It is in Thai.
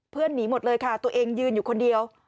หนีหมดเลยค่ะตัวเองยืนอยู่คนเดียว